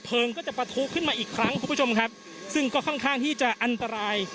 ก็จะประทุขึ้นมาอีกครั้งคุณผู้ชมครับซึ่งก็ค่อนข้างที่จะอันตราย